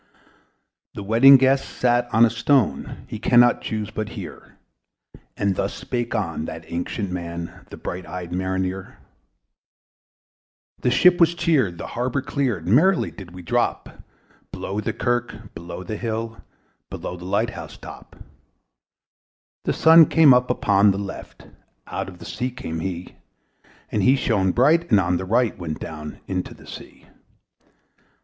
The Wedding Guest sat on a stone: He cannot chuse but hear; And thus spake on that ancient man, The bright eyed Mariner. The ship was cheered, the harbour cleared, Merrily did we drop Below the kirk, below the hill, Below the light house top. The Sun came up upon the left, Out of the sea came he! And he shone bright, and on the right Went down into the sea.